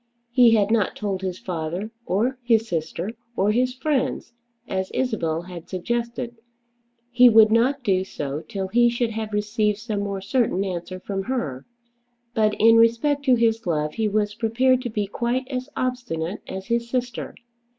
He had not told his father, or his sister, or his friends, as Isabel had suggested. He would not do so till he should have received some more certain answer from her. But in respect to his love he was prepared to be quite as obstinate as his sister.